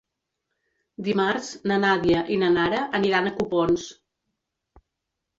Dimarts na Nàdia i na Nara aniran a Copons.